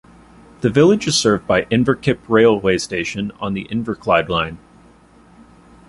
The village is served by Inverkip railway station, on the Inverclyde Line.